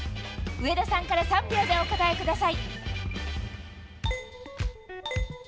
上田さんから３秒でお答えください。